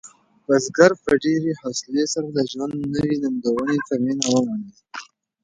بزګر په ډېرې حوصلې سره د ژوند نوې ننګونې په مینه ومنلې.